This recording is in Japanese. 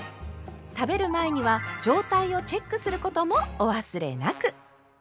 食べる前には状態をチェックすることもお忘れなく。